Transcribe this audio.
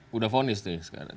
sudah fonis itu ya sekarang